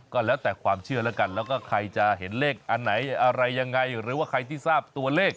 ก็แล้วแต่ความเชื่อแล้วกันแล้วก็ใครจะเห็นเลขอันไหนอะไรยังไงหรือว่าใครที่ทราบตัวเลข